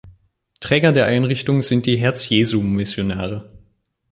Träger der Einrichtung sind die Herz-Jesu-Missionare.